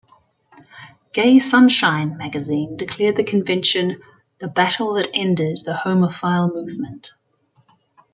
"Gay Sunshine" magazine declared the convention "the battle that ended the homophile movement".